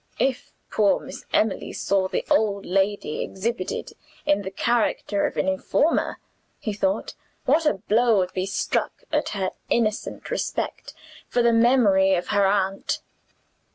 "If poor Miss Emily saw the old lady exhibited in the character of an informer," he thought, "what a blow would be struck at her innocent respect for the memory of her aunt!"